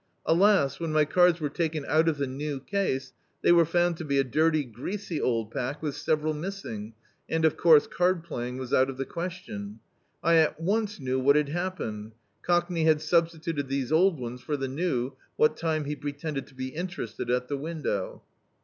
Alas, when my cards were taken out of the new case, they were found to be a dirty, greasy old pack with sev eral missing, and, of course, card playing was out of the question. I at once knew what had happened : Cockney had substituted these old ones for die new, what time he pretended to be interested at the win dow.